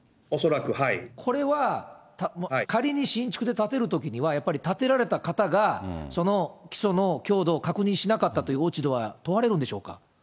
これは、仮に新築で建てるときには、やっぱり建てられた方が、その基礎の強度を確認しなかったという落ち度は問われるんでしょ